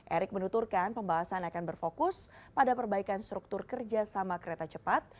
erick menuturkan pembahasan akan berfokus pada perbaikan struktur kerjasama kereta cepat